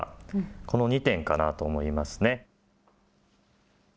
この２点かなと思いますね。